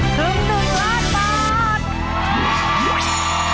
ถึง๑ล้านบาท